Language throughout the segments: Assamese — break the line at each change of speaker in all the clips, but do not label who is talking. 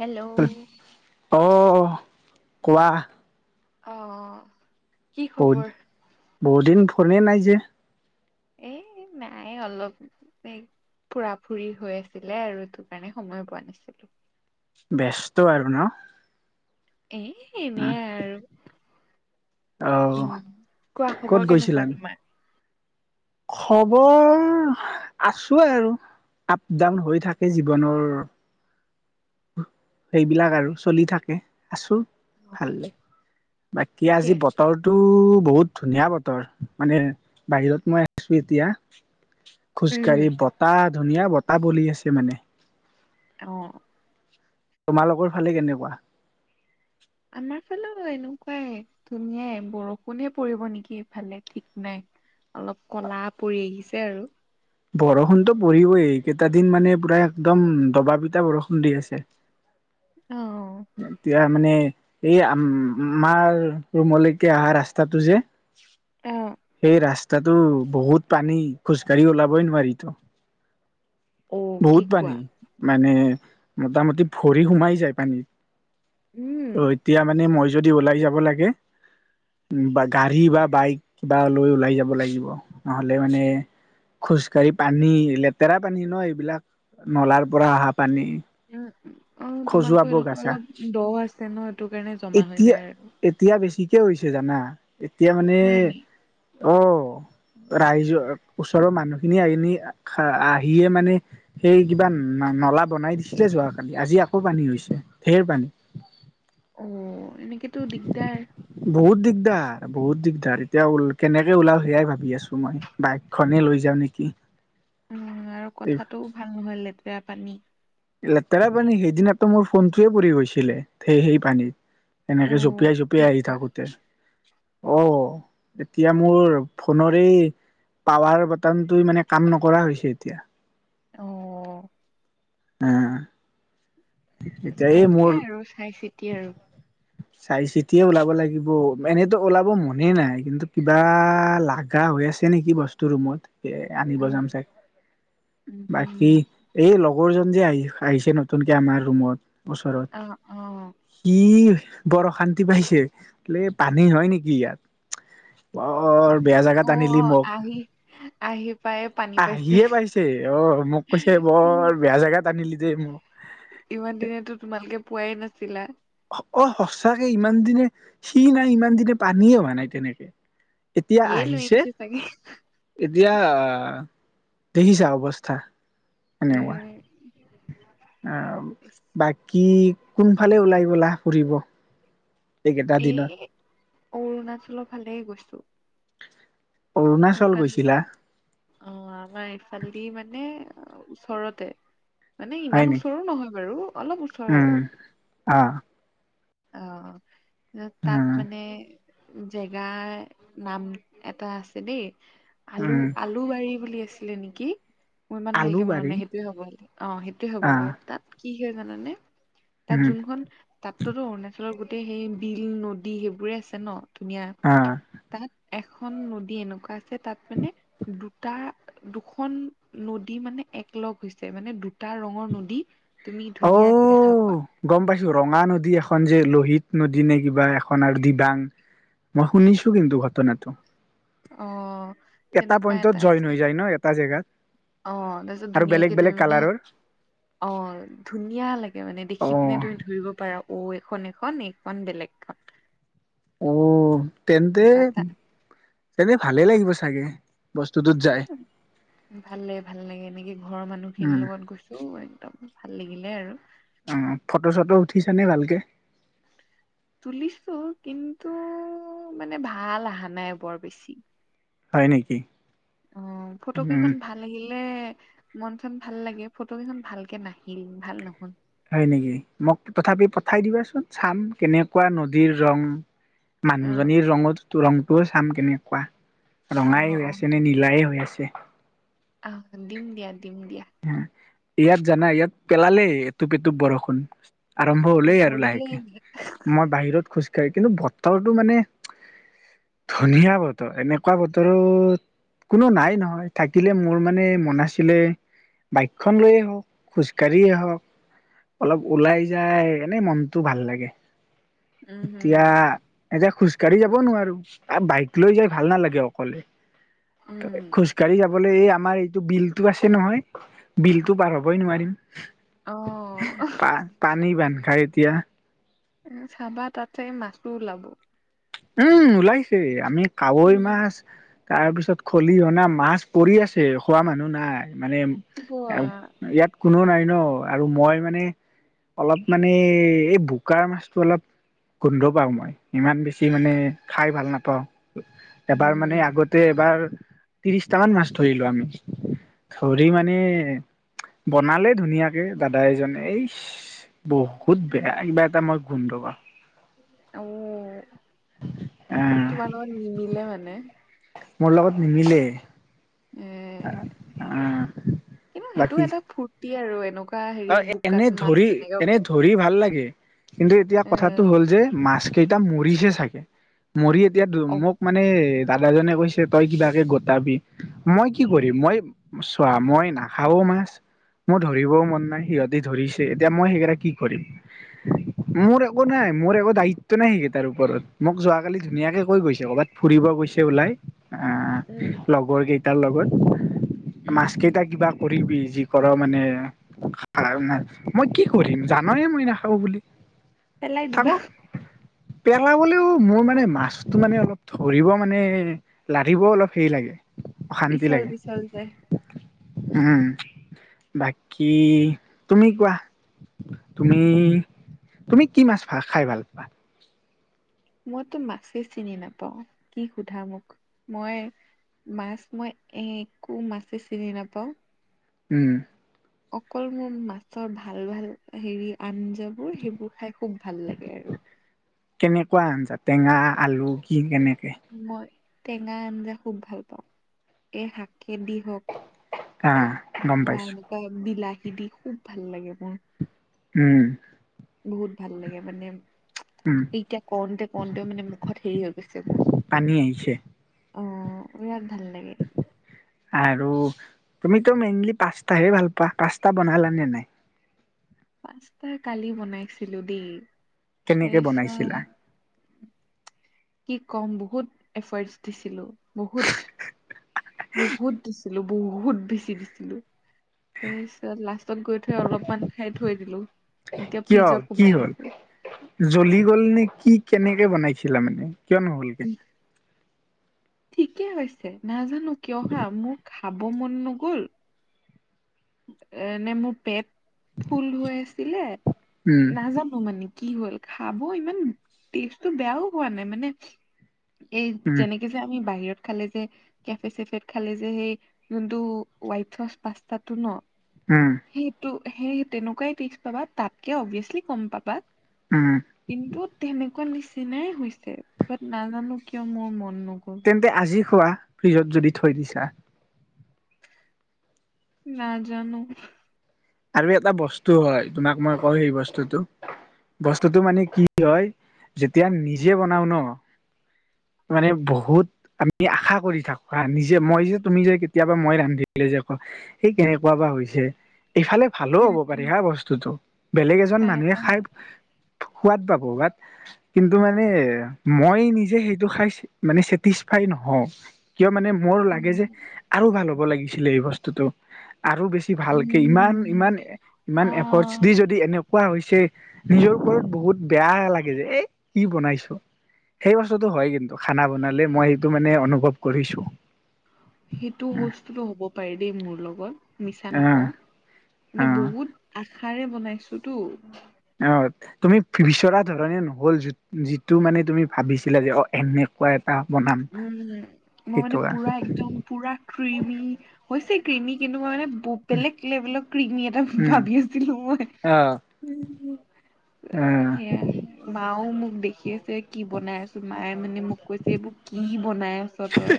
হেল্লো
অ', কোৱা।
অ', অ
বহুত, বহুত দিন ফোনে নাই যে?
এ নাই অলপ এই - ফুৰা ফুৰি হৈ আছিলে আৰু সেইটো কাৰণে সময় পোৱা নাছিলো।
ব্যস্ত আৰু ন।
এ এনেই আৰু।
অ',
উম, কোৱা
ক'ত
খবৰ
গৈছিলা?
কেনেকুৱা তোমাৰ?
খবৰ আছো আৰু আপ ডাউন হৈ থাকে জীৱনৰ - সেইবিলাক আৰু চলি থাকে আছো। ভালে, বাকী
ঠিকে
আজি
আছে
বতৰ - টো বহুত ধুনীয়া বতৰ, মানে বাহিৰত মই আহিছো এতিয়া -
উম
খোজকাঢ়ি বতাহ ধুনীয়া বতাহ বলি আছে মানে -
অ',।
তোমালোকৰ ফালে কেনেকুৱা?
আমাৰ ফালেও এনেকুৱাই ধুনিয়াই বৰষুণে পৰিব নেকি ইফালে ঠিক নাই। অলপ কলা পৰি আহিছে আৰু।
বৰষুণতো পৰিবই কেইটা দিন মানে পুৰা একদম দবা পিটা বৰষুণ দি আছে।
অ
এতিয়া মানে এই আ আমাৰ ৰুমলৈকে অহা ৰাস্তাটো যে
অ
সেই ৰাস্তাটো বহুত পানী খোজকাাঢ়ি ওলাবই নোৱাৰি ত
অ কি
বহুত
কোৱা
পানী মানে মোটামুটি ভৰি সোমাই যায় পানীত
উম
অ এতিয়া মানে মই যদি ওলাই যাব লাগে বা গাড়ী বা বাইক কিবা লৈ ওলাই যাব লাগিব। নহ'লে মানে খোজকাঢ়ি পানী লেতেৰা পানী ন এইবিলাক নলাৰ পৰা অহা পানী
উম অ
খজুৱাব
তোমালোকৰ সেইডোখৰ
গাছা
অলপ দ আছে ন সেইটো কাৰণে জমা হৈ
এতিয়া
যায় আৰু।
এতিয়া বেছিকে হৈছে জানা এতিয়া মানে
হয় নি
অ ৰাইজ ওচৰৰ মানুহখিনি আইনি আহিয়ে মানে সেই কিবা নলা বনাই দিছিলে যোৱাকালি আজি আকৌ পানী হৈছে ঢেৰ পানী।
অ এনেকেতো দিগদাৰ।
বহুত দিগদাৰ বহুত দিগদাৰ এতিয়া ওল কেনেকে ওলাও সেয়াই ভাবি আছো মই। বাইক খনেই লৈ যাওঁ নেকি।
উম আৰু কথাটোও ভাল নহয় লেতেুৰা পানী।
লেতেৰা পানী সেইদিনাতো মোৰ ফোনটোয়ে পৰি গৈছিলে থেই সেই পানীত।
অ
এনেকে জপিয়াই
কি
জপিয়াই আহি
কোৱা
থাকোতে। অ এতিয়া মোৰ ফোন এ পাৱাৰ বাটানটোৱে মানে কাম নকৰা হৈছে এতিয়া।
অ।
নেয়াহ
ভালকে আৰু চাই চিতি আৰু।
চাই চিতিয়ে ওলাব লাগিব এনেতো ওলাব মনে নাই কিন্তু কিবা লাগ- গা হৈ আছে নেকি বস্তু ৰুমত এ আনিব
উম
যাম চাগে।
উম
বাকী
হম
এই লগৰজন যে আয়ি আহিছে নতুনকে আমাৰ ৰুমত ওচৰত
অ অ।
সি বৰ অশান্তি পাইছে লে পানী হয় নেকি ইয়াত অ অ। বৰ বেয়া
অ
জেগাত আনিলি
অ
মোক,
আহি আহি পায়ে পানী
আহিয়ে পাইছে। অ মোক কৈছে বৰ বেয়া জেগাত আনিলি দেই মোক।
ইমান দিনেতো তোমালোকে পোৱাই নাছিলা।
অ সঁচাকে ইমান দিনে সি নাই ইমান দিনে পানীয়ে হোৱা নাই তেনেকে। এতিয়া
সিয়ে লৈ
আহিছে,
আনিছে চাগে
এতিয়া দেখিছা অৱস্থা।
উম।
অহ বাকী কোনফালে ওলাই গলা ফুৰিব? এইকেইটা দিনত
এই অৰুণাচলৰ ফালে গৈছো।
অৰুণাচল
সেফালে
গৈছিলা
অ আমাৰ ইফালদি মানে ওচৰতে মানে
হয়
ইমান
নেকি
ওচৰো নহয় বাৰু অলপ ওচৰে আৰু।
অ।
অ তাত
উম
মানে জেগাৰ নাম এটা আছে দেই আলু-আলু
উম
[unintelligible] আলু বাৰী বুলি আছিলে নেকি? [unintelligible] মোৰ ইমান ভালকে মন
আলুবাৰী
নাই সেইটোৱে হ'ব লাগে। অঁ, সেইটোৱেই হ'ব
আহ
লাগে। তাত কি হয় জানানে? [unintelligible] তাত
উম
যোনখন তাতোতো অৰুণাচলৰ গোটেই সেই বিল, নদী সেইবোৰে আছে ন? [unintelligible] ধুনীয়া
আহ
তাত এখন নদী এনেকুৱা আছে তাত মানে [unintelligible] দুটা দুখন নদী মানে একলগ হৈছে মানে দুটা ৰঙৰ নদী। [inaudible] তুমি
অ
ধুনীয়াকে দেখা পোৱা [unintelligible]
গম পাইছোঁ। ৰঙা নদী এখন যে লোহিত নদী নে কিবা এখন আৰু দিবাং [unintelligible] মই শুনিছোঁ কিন্তু ঘটনাটো। [unintelligible]
অ! [unintelligible] তেনেকুৱা
পইন্টত
এটা
জইন হৈ
আছে।
যায় ন এটা জেগাত
অঁ তাৰপিছত
আৰু বেলেগ
ধুনীয়াকে তুমি
বেলেগ
মানে [unintelligible]
কালাৰৰ
অঁ! ধুনীয়া লাগে মানে
অ
দেখি পিনে তুমি ধৰিব পাৰা [inaudible] অঁ এইখন এখন, এইখন বেলেগখন। [unintelligible]
অঁ! তেন্তে!
তেনেকুৱা এটা আছে।
তেন্তে ভালেই লাগিব চাগে। [inaudible] যায়
ভাল লাগে, ভাল লাগে এনেকে ঘৰৰ
উম
মানুহখিনিৰ লগত গৈছো [unintelligible] অঁ একদম ভাল লাগিলে আৰু। [unintelligible]
উম! ফটো-চটো উঠিছানে ভালকে? [unintelligible]
তুলিছো কিন্তু মানে ভাল আহা নাই বৰ বেছি। [unintelligible]
হয় নেকি?
অঁ! ফটো
উম,
কেইখন ভাল [unintelligible] [unintelligible] লাগিলে মন-চন ভাল লাগে। ফটো কেইখন ভালকে নাহিল ভাল নহল। [unintelligible]
হয় নেকি? মোক তথাপি পঠাই দিবাচোন চাম কেনেকুৱা নদীৰ ৰং। [unintelligible]
অ
মানুহজনীৰ ৰঙত ৰংটো চাম কেনেকুৱা? [unintelligible]
অ
ৰঙাই
অ
হৈ আছে নে নীলাই হৈ আছে। [unintelligible]
আহ [unintelligible] দিম দিয়া, দিম দিয়া।
ইয়াত জানা ইয়াত পেলালেই এটুপ-এটুপ বৰষুণ। [unintelligible] আৰম্ভ
অ
হ'লেই আৰু লাহেকে।
পৰিলে
মই বাহিৰত খোজকাঢ়ি [unintelligible] কিন্তু বতাহটো মানে ধুনীয়া বতৰ। এনেকুৱা বতৰত [unintelligible] কোনো নাই নহয় থাকিলে মোৰ মানে মন আছিলে [unintelligible] বাইকখন লৈয়ে হওক, খোজকাঢ়িয়েই হওক [unintelligible] অলপ ওলাই যায় এনেই মনটো ভাল লাগে।
উমহু
এতিয়া [unintelligible] এতিয়া খোজকাাঢ়ি যাব নোৱাৰো আৰু বাইক লৈ যাই ভাল নালাগে অকলে। খোজ [unintelligible]
উম
খোজকাঢ়ি যাবলৈ এই আমাৰ এইটো বিলটো আছে নহয় বিলটো পাৰ হবই নোৱাৰিম। [unintelligible]
অ
[unintelligible] পা-পানী বান্ধ খায় এতিয়া।
উম! চাবা তাতে মাছ‌ও ওলাব। [unintelligible]
উম ওলাইছে আমি কাৱৈ
উম,
মাছ [unintelligible] তাৰ পিছত খলিহনা মাছ পৰি আছে খোৱা মানুহ নাই। মানে [unintelligible] [unintelligible]
বোৱা
ইয়াত কোনোও নাই ন আৰু মই মানে অলপ মানে এই বোকাৰ মাছটো অলপ গোন্ধ পাওঁ মই। ইমান বেছি [unintelligible] বেছি মানে খাই ভাল নাপাওঁ। এবাৰ
উম
মানে আগত [inaudible] [unintelligible] এবাৰ ত্ৰিছটা মান মাছ ধৰিলো আমি ধৰি মানে [inaudible] বনালে ধুনীয়াকে দাদা এজনে এই [unintelligible] বহুত বেয়া কিবা এটা মই গোন্ধ পাওঁ। [unintelligible]
অঁ!
আহ
তোমাৰ লগত নিমিলে মানে? [unintelligible]
মোৰ লগত নিমিলে। [inaudible]
এ
আহ
[inaudible] কিন্তু সেইটো
বাকী
এটা ফূৰ্তি আৰু এনেকুৱা [unintelligible] হেৰি
আৰু এনে
বোকাত
ধৰি
মাছ
এনে
[unintelligible]
ধৰি ভাল লাগে কিন্তু এতিয়া
এ
কথাটো হ'ল যে মাছ কেইটা মৰিছে চাগে। মৰি এতিয়া
অ
মোক মানে দাদাজনে কৈছে তই কিবাকে গোটাবি, মই কি কৰিম মই চোৱা মই নাখাও মাছ মোৰ ধৰিবও মন -' সিহঁতি ধৰিছে এতিয়া মই সেইকেইটাক কি কৰিম? মোৰ একো নাই মোৰ একো দায়িত্ব নাই সেইকেইটাৰ ওপৰত, মোক যোৱাকালি ধুনীয়াকে কৈ গৈছে ক'বাত ফুৰিব গৈছে উলাই আ,
উম
লগৰ কেইটাৰ লগত
উম
মাছ কেইটা কিবা কৰিবি যি ক'ৰ মানে [unintelligible] মই কি কৰিম জানয়ে মই নাখাব বুলি
পেলাই দিবা
থাকক। পেলাবলৈও মোৰ মানে মাছটো মানে অলপ ধৰিব মানে লধিবও অলপ হেৰি লাগে অশান্তি
পিছল
লাগে
পিছল যে
উম, বাকী তুমি কোৱা তুমি - তুমি কি মাছ ভা খাই ভাল পোৱা?
মইতো মাছেই চিনি নাপাওঁ কি সোধা মোক মই মাছ মই একো মাছে চিনি নাপাওঁ
উম,
অকল মোৰ মাছৰ ভাল ভাল হেৰি আঞ্জাবোৰ সেইবোৰ খাই খুব ভাল লাগে আৰু।
কেনেকুৱা আঞ্জা টেঙা আলু কি কেনেকে?
মই টেঙা আঞ্জা খুব ভাল পাওঁ, এই শাকে দি হক।
আ, গম পাইছো।
বিলাহী দি খুব ভাল লাগে মোৰ
উম,
বহুত ভাল লাগে মানে
উম
এতিয়া কওঁতে কওঁতে মানে মুখত হেৰি হৈ গৈছে মোৰ।
পানী আহিছে
অ', বিৰাট ভাল লাগে।
আৰু তুমিতো মেইনলি পাস্তাহে ভাল পোৱা পাস্তা বনালা নে নাই?
পাস্তা কালি বনাইছিলো দেই
কেনেকে বনাইছিলা
তাৰপিছত কি ক'ম বহুত এফাৰ্টচ দিছিলোঁ বহুত - বহুত, দিছিলোঁ। বহুত বেছি দিছিলোঁ। তাৰ পিছত লাষ্টত গৈ থৈ অলপমান খাই থৈ দিলো, এতিয়া
কিয়
ফ্ৰিজত
কি
সোমাই
হ'ল
দিছোঁ।
জ্বলি গ'ল নে কি কেনেকে বনাইছিলা মানে কিয় নহ'ল গে?
ঠিকে হৈছে নাজানো কিয় হাঁ মোৰ খাব মন নগল এ নে মোৰ পেট ফুল হৈ আছিলে
উম
নাজানো মানে কি হ'ল খাব ইমান টেষ্টটো বেয়াও হোৱা নাই মানে এই
উম
যেনেকে যে আমি বাহিৰত খালে যে কেফে চেফেত খালে যে সেই যোনটো হোৱাইট [unintelligible] পাস্তাটো ন'
উম,
সেইটো সেই তেনেকুৱাই টেষ্ট পাবা তাতকে অভিয়াচলি কম পাবা
উম,
কিন্তু তেনেকুৱা নিচিনাই হৈছে বাট নাজানো কিয় মোৰ মন নগ'ল।
তে আজি খোৱা ফ্ৰিজত যদি থৈ দিছা।
নাজানো।
আৰু এটা বস্তু হয় তোমাক মই কওঁ সেই বস্তুটো বস্তুতটো মানে কি হয় যেতিয়া নিজে বনাও ন! মানে বহুত আমি আশা কৰি থাকো হা। নিজে মই যে তুমি যে কেতিয়াবা মই ৰান্ধিলে যে কও হেই কেনেকুৱা বা হৈছে? ইফালে ভালো হ'ব পাৰে হা বস্তুটো। বেলেগ এজন
এ, এ,
মানুহে খাই - সোৱাদ পাব বাত কিন্তু মানে মই নিজে সেইটো খাই মানে চেটিচফাই নহওঁ। কিয় মানে মোৰ লাগে যে,
উম,
আৰু ভাল হ'ব লাগিছিলে এই বস্তুতটো। আৰু বেছি ভাল কে ইমান
উম,
ইমান ইমান এফৰ্টচ
আহ
দি যদি এনে কোৱা হৈছে, নিজৰ ওৰত বহুত বেয়া লাগে যে এ কি বনাইছো? সেই বস্তুটো হয় কিন্তু খানা বনালে, মই সেইটো মানে অনুভৱ কৰিছো।
সিটো বস্তুটো হ'ব পাৰে দেই মোৰ লগত মিছা
আহ
নকওঁ। মানে
আহ
বহুত আশাৰে বনাইছোতু।
অঁ, তুমি বিচৰা ধৰণে নহল যিট যিটো মানে তুমি ভাবিছিলা যে অ এনে - কুৱা এটা বনাম।
উম, মই মানে
সেইটো
পুৰা একদম - পোৰা কৃমি হৈছে কৃমি কিন্তু মই মানে বো - বেলেগ লেবেলৰ কৃমি এটা
উম
ভাবি আছিলো মই
আহ
এ অ'
আহ
হেয়াই - মাও মোক দেখি আছে কি বনাই আছো, মায়ে মানে মোক কৈছে এইবো - কি বনাই আছ তই?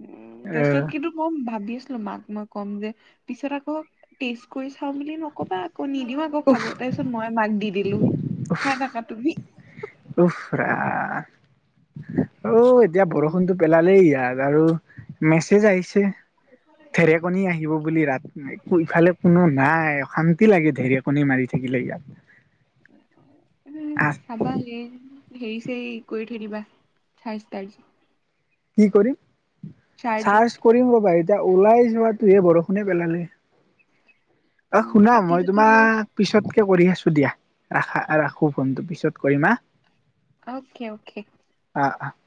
উম, তাৰ পিছত
আহ
কিন্তু মই ভাবি আছিলো মাক মই ক'ম যে পিছত আকৌ টেষ্ট কৰি চাওঁ বুলি নকবা আকৌ নিদিও আকৌ
উফ
খাব তাৰপিছত মই মাক দি দিলো খাই থাকা তুমি।
উফ, ৰা অও এতিয়া বৰষুণটো পেলালেই ইয়াত আৰু - মেছেজ আহিছে ধেৰকণী আহিব বুলি ৰাত কো ইফালে - কোনো নাই অশান্তি লাগে ঢেৰকণী মাৰি থাকিলে ইয়াত।
এ এ খাবা এ হেই ছেই কৰি থই দিবা। চাৰ্জ তাৰ্ত।
কি কৰিম?
চাৰ্জত
চাৰ্চ কৰিম ৰ'বা এইটো - এতিয়া ওলাই যোৱাতোহে বৰষুণে পেলালে অ
উম
শুনা
ছাতি
মই
তাতি লৈ
তোমাক - পিছতকে কৰি আছো দিয়া। ৰাখা ৰাখো ফোনটো পিছত কৰিমা আ।
Okay, okay.
আ, অ।